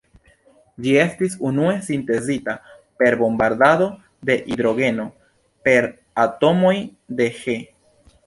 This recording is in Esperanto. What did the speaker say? Ĝi estis unue sintezita per bombardado de hidrogeno per atomoj de He.